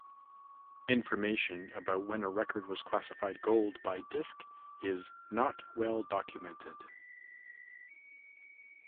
Information about when a record was classified gold by "Disc" is "not well documented".